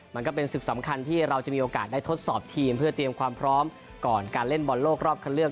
มันก็เป็นศึกสำคัญที่เราจะมีโอกาสได้ทดสอบทีมเพื่อเตรียมความพร้อมก่อนการเล่นบอลโลกรอบคันเลือก